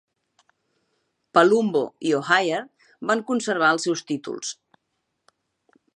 Palumbo i O'Haire van conservar els seus títols.